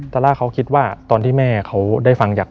ซาล่าเค้าคิดว่าตอนที่แม่เค้าได้ฟัง